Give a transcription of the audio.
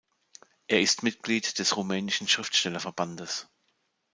Er ist Mitglied des Rumänischen Schriftstellerverbandes.